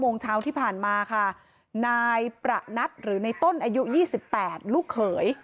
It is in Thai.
โมงเช้าที่ผ่านมาค่ะนายประนัทหรือในต้นอายุ๒๘ลูกเขย